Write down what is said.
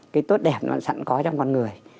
cái tốt đẹp nó sẵn có trong con người